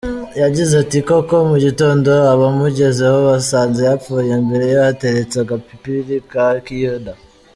Yagize ati “ Koko mu gitondo abamugezeho basanze yapfuye imbere ye hateretse agapipiri ka kiyoda”.